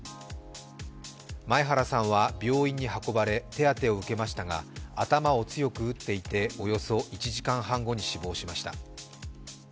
前原さんは病院に運ばれ手当てを受けましたが頭を強く打っていておよそ１時間半後に死亡しました。